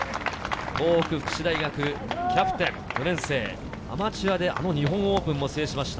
東北福祉大学キャプテン４年生、アマチュアであの日本オープンを制しました。